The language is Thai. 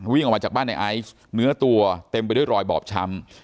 วิ่งออกมาจากบ้านในไอซ์เนื้อตัวเต็มไปด้วยรอยบอบช้ำ